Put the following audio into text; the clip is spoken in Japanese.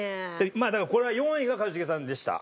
まあだからこれは４位が一茂さんでした。